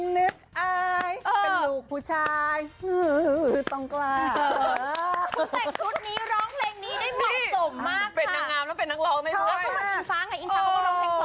ไม่ต้องเนาะอาย